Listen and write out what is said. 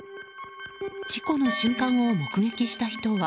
事故の瞬間を目撃した人は。